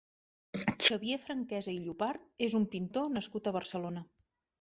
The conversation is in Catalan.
Xavier Franquesa i Llopart és un pintor nascut a Barcelona.